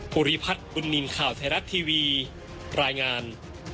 ภูริพัฒน์บุญนินทร์ข่าวไทยรัฐทีวีรายงาน